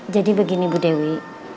jadi begini ibu dewi